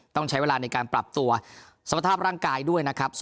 ต้องใช้เวลาในการปรับตัวสภาพร่างกายด้วยนะครับ